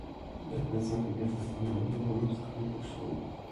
د افغانستان طبیعت له پابندی غرونه څخه جوړ شوی دی.